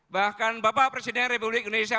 bahkan bapak presiden republik indonesia